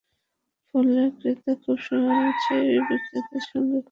ফলে ক্রেতা খুব সহজেই বিক্রেতার সঙ্গে কথা বলে রেফ্রিজারেটর কিনে নিতে পারেন।